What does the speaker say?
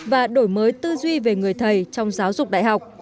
và đổi mới tư duy về người thầy trong giáo dục đại học